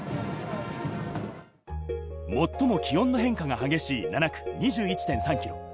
最も気温の変化が激しい７区、２１．３ｋｍ。